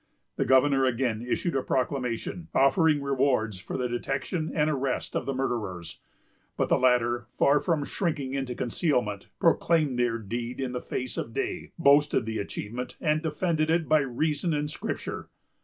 The governor again issued a proclamation, offering rewards for the detection and arrest of the murderers; but the latter, far from shrinking into concealment, proclaimed their deed in the face of day, boasted the achievement, and defended it by reason and Scripture.